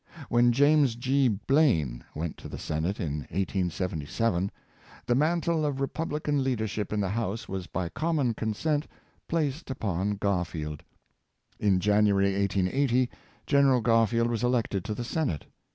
When James G. Blaine went to the Senate, in 1877, the mantle of Republican leadership in the House was by common consent placed upon Garfield. In Janu ary, 1880, Gen. Garfield was elected to the Senate.